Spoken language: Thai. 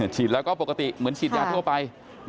ฉีดแล้วก็ปกติเหมือนฉีดยาทั่วไป